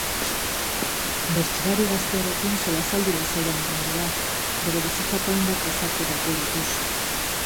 Bertsolari gaztearekin solasaldi lasaian egongo da, bere bizitzako hainbat pasarte gogoratuz.